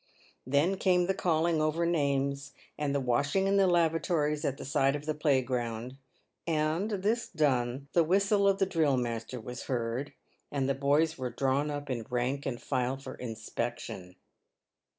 Then came the calling over names, and the washing in the lava tories at the side of the playground ; and this done, the whistle of the drill master was heard, and the boys were drawn up in rank and file for inspection.